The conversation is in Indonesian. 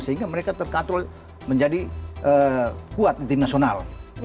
sehingga mereka terkatrol menjadi kuat di tim nasional